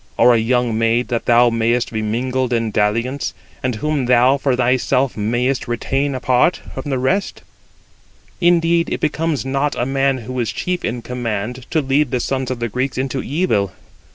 Or a young maid, that thou mayest be mingled in dalliance, and whom thou for thyself mayest retain apart 97 [from the rest]? Indeed it becomes not a man who is chief in command, to lead the sons of the Greeks into evil.